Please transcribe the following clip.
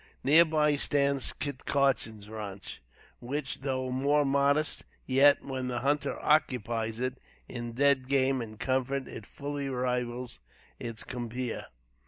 Near by stands Kit Carson's ranche, which, though more modest, yet, when the hunter occupies it, in dead game and comfort, it fully rivals its compeer.